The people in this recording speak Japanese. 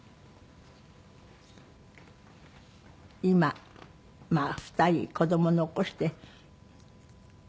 今まあ２人子ども残して。